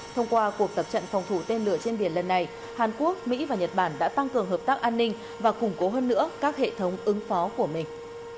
thông qua cuộc tập trận phòng thủ tên lửa trên biển lần này hàn quốc mỹ và nhật bản đã tăng cường hợp tác an ninh và củng cố hơn nữa các hệ thống ứng phó của mình